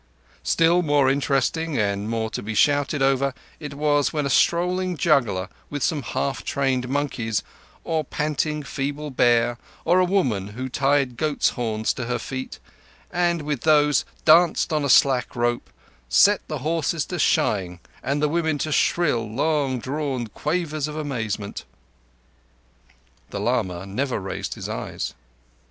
Still more interesting and more to be shouted over it was when a strolling juggler with some half trained monkeys, or a panting, feeble bear, or a woman who tied goats' horns to her feet, and with these danced on a slack rope, set the horses to shying and the women to shrill, long drawn quavers of amazement. The lama never raised his eyes.